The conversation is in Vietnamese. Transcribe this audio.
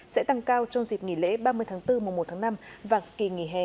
sẽ tăng cao trong dịp nghỉ lễ ba mươi tháng bốn mùa một tháng năm và kỳ nghỉ hè hai nghìn hai mươi bốn